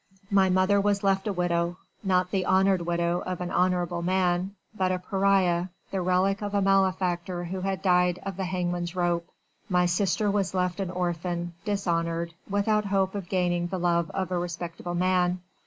My mother was left a widow not the honoured widow of an honourable man but a pariah, the relict of a malefactor who had died of the hangman's rope my sister was left an orphan dishonoured without hope of gaining the love of a respectable man.